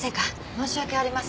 申し訳ありません。